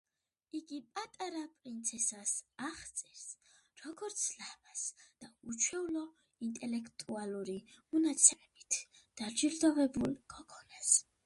იგი პატარა პრინცესას აღწერს როგორც ლამაზ და უჩვეულო ინტელექტუალური მონაცემებით დაჯილდოვებულ გოგონას.